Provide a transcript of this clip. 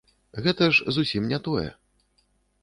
Гэта ж зусім не тое.